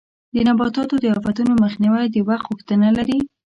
د نباتو د آفتونو مخنیوی د وخت غوښتنه لري.